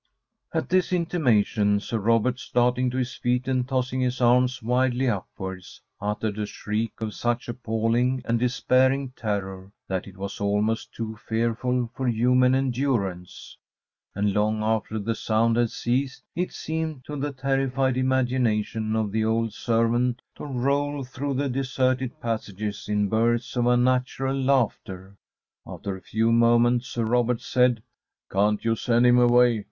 At this intimation Sir Robert, starting to his feet and tossing his arms wildly upwards, uttered a shriek of such appalling and despairing terror that it was almost too fearful for human endurance; and long after the sound had ceased it seemed to the terrified imagination of the old servant to roll through the deserted passages in bursts of unnatural laughter. After a few moments Sir Robert said, "Can't you send him away?